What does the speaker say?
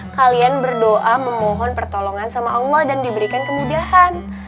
kalian berdoa memohon pertolongan sama allah dan diberikan kemudahan